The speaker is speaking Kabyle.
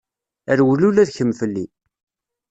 Rwel ula d kemm fell-i.